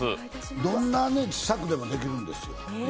どんな尺でもできるんです。